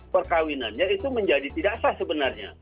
perkawinannya itu menjadi tidak sah sebenarnya